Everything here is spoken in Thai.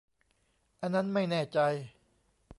อันนั้นไม่แน่ใจ